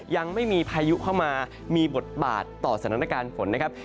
ยังไม่มีพายุเข้ามามีบทบาทต่อสถานการณ์ฝนนะครับ